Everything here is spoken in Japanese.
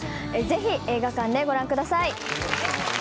ぜひ映画館でご覧ください